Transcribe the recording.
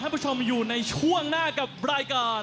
ผู้ชมอยู่ในช่วงหน้ากับรายการ